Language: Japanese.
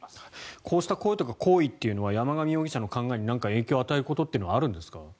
こうした声というか行為というのは山上容疑者になんらか影響を与えることはあるんですか？